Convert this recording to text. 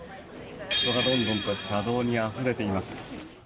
人がどんどんと車道にあふれています。